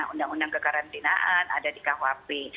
undang undang kekarantinaan ada di kuhp